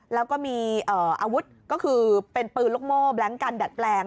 แล้วก็มีอาวุธก็คือเป็นปืนลูกโม่แบล็งกันดัดแปลง